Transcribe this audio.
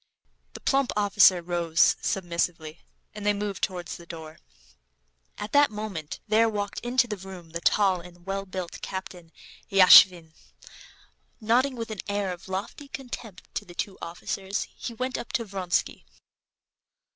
The plump officer rose submissively, and they moved towards the door. At that moment there walked into the room the tall and well built Captain Yashvin. Nodding with an air of lofty contempt to the two officers, he went up to Vronsky.